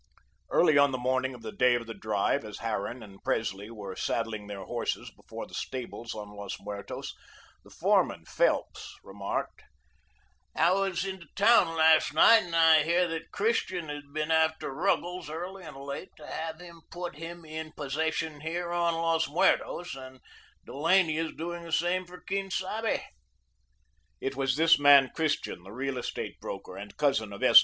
Early on the morning of the day of the drive, as Harran and Presley were saddling their horses before the stables on Los Muertos, the foreman, Phelps, remarked: "I was into town last night, and I hear that Christian has been after Ruggles early and late to have him put him in possession here on Los Muertos, and Delaney is doing the same for Quien Sabe." It was this man Christian, the real estate broker, and cousin of S.